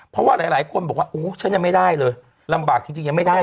เพราะว่าหลายคนบอกว่าโอ้ฉันยังไม่ได้เลยลำบากจริงยังไม่ได้